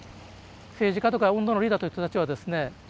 政治家とか運動のリーダーといった人たちはですね